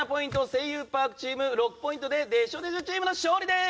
「声優パーク」チーム６ポイントで「でしょでしょ」チームの勝利です。